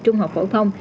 trung học phổ thông